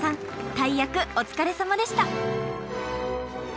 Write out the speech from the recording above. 大役お疲れさまでした！